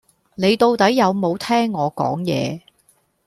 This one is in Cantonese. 你到底有無聽我講野？